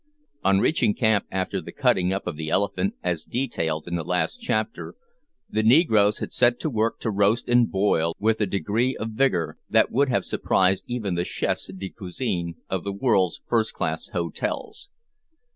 On reaching camp after the cutting up of the elephant, as detailed in the last chapter, the negroes had set to work to roast and boil with a degree of vigour that would have surprised even the chefs de cuisine of the world's first class hotels.